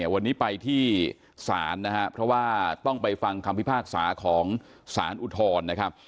วันนี้ไปที่ศาลนะครับเพราะว่าต้องไปฟังคำพิพากษาของสารอุทธรณ์นะครับ